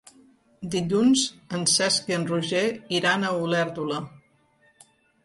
Dilluns en Cesc i en Roger iran a Olèrdola.